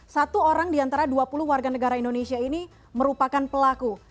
satu orang di antara dua puluh warga negara indonesia ini merupakan pelaku